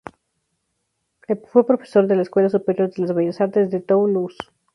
Fue profesor de la Escuela Superior de las Bellas Artes de Toulouse.